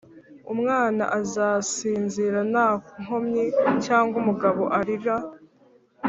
umwana azasinzira nta nkomyi cyangwa umugabo arira?